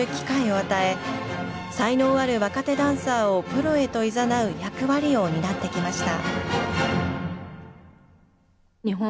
才能ある若手ダンサーをプロへと誘う役割を担ってきました。